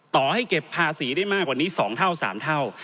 ต่อให้เก็บภาษีได้มากกว่านี้๒เท่า๓เท่า